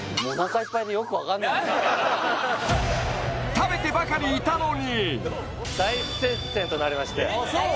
食べてばかりいたのにそう？